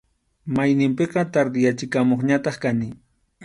Mayninpiqa tardeyachikamuqñataq kani.